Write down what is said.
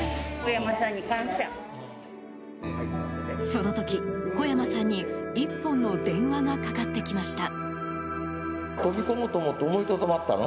その時、小山さんに１本の電話がかかってきました。